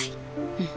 うん。